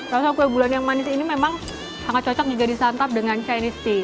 rasa kue bulan yang manis ini memang sangat cocok juga disantap dengan chinese tea